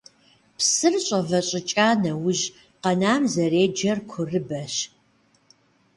Псыр щIэвэщIыкIа нэужь къанэм зэреджэр курыбэщ.